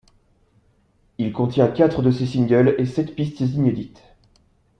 Il contient quatre de ses singles et sept pistes inédites.